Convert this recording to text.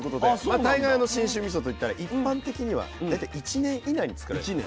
まあ大概信州みそといったら一般的には大体１年以内につくられてる。